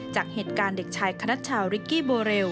จากเหตุการณ์เด็กชายคณัชชาวริกกี้โบเรล